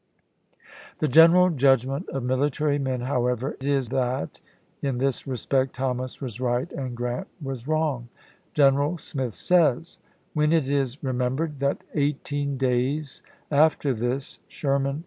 Part II. CHATTANOOGA 131 The general judgment of military men, however, chap. v. is that in this respect Thomas was right and Grant was wrong. General Smith says, " When it is re membered that eighteen days after this Sherman Nov.